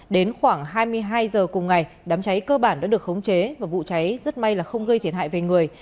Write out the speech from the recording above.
đến khoảng hai mươi hai h cùng ngày đám cháy cơ bản đã được khống chế và vụ cháy rất may là không gây thiệt hại về người